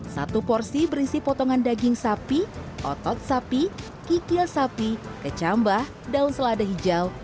satu porsi berisi potongan daging sapi otot sapi kikil sapi kecambah daun selada hijau